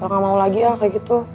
lo gak mau lagi ya kayak gitu